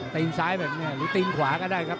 ตีนซ้ายแบบนี้หรือตีนขวาก็ได้ครับ